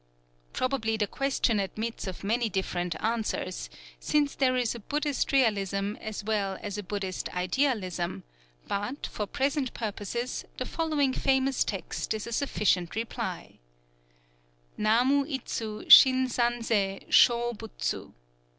Probably the question admits of many different answers, since there is a Buddhist Realism as well as a Buddhist Idealism; but, for present purposes, the following famous text is a sufficient reply: NAMU ITSU SHIN SAN ZÉ SHŌ BUTSU!